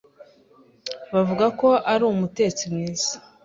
Bavuga ko ari umutetsi mwiza.